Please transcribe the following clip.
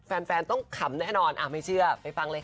อ้าวไม่เชื่อไปฟังเลยค่ะ